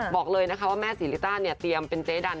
บอกเลยนะคะว่าแม่ศรีริต้าเนี่ยเตรียมเป็นเจ๊ดัน